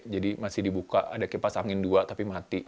jadi masih dibuka ada kipas angin dua tapi mati